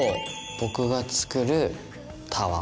僕が作るタワー。